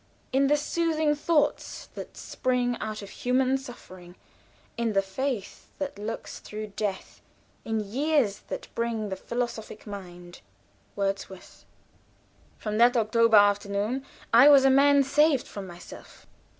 In the soothing thoughts that spring Out of human suffering! In the faith that looks through death In years, that bring the philosophic mind. WORDSWORTH. From that October afternoon I was a man saved from myself.